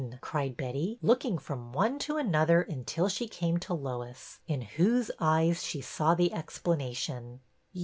cried Betty, looking from one to another until she came to Lois, in whose eyes she saw the explanation.